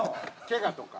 ケガとか。